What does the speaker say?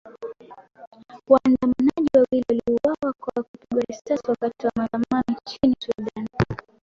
Waandamanaji wawili waliuawa kwa kupigwa risasi wakati wa maandamano nchini Sudan